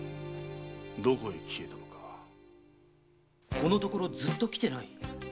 このところずっと来てない？